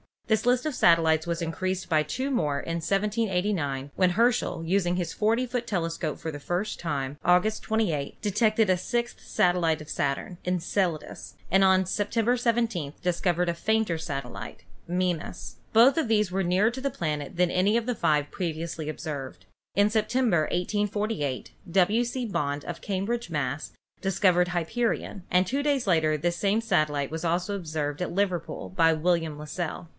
This list of satellites was increased by two more in 1789, when Herschel, using his 40 foot tele scope for the first time, August 28th, detected a sixth satellite of Saturn, Enceladus, and on September 17th dis covered a fainter satellite, Mimas. Both of these were nearer to the planet than any of the five previously ob served. In September, 1848, W. C. Bond, of Cambridge, Mass., discovered Hyperion, and two days later this same satellite was also observed at Liverpool by William Las sell.